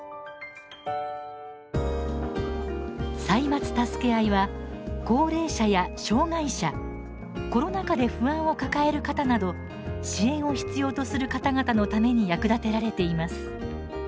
「歳末たすけあい」は高齢者や障害者コロナ禍で不安を抱える方など支援を必要とする方々のために役立てられています。